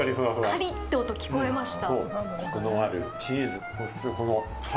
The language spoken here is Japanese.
カリって音が聞こえました。